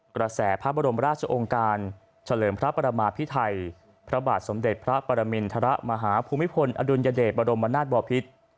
กระแสพระบรมราชองค์การเฉลิมพระประมาพิไทยพระบาทสมเด็จพระปรมินทรมาฮภูมิพลอดุลยเดชบรมนาศบอพิษ